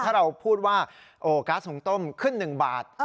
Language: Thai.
ถ้าเราพูดว่าก๊าซหุงต้มขึ้น๑บาท